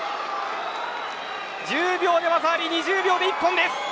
１０秒で技あり２０秒で一本です。